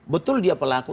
betul dia pelaku